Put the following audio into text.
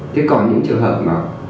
thế còn những trường hợp mà